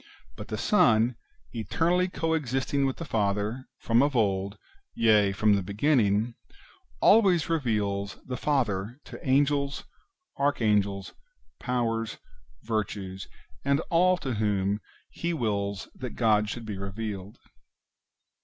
But the Son, eternally co existing with the Father, from of old, yea, from the beginning, always reveals the Father to Angels, Archangels, Powers, Virtues, and all to whom He wills that God should be revealed.